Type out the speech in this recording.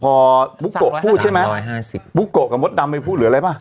พอบุ๊กโกะพูดใช่ไหมบุ๊กโกะกับมดดำไปพูดหรืออะไรป่ะ